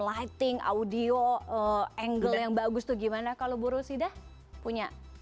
lighting audio angle yang bagus tuh gimana kalau bu rusidah punya